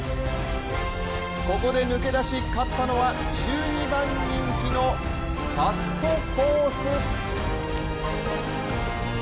ここで抜け出し勝ったのは１２番人気のファストフォース。